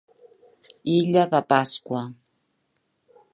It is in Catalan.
Illa de Pasqua.